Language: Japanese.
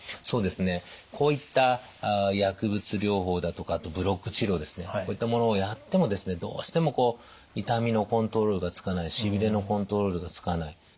そうですねこういった薬物療法だとかあとブロック治療ですねこういったものをやってもですねどうしても痛みのコントロールがつかないしびれのコントロールがつかない。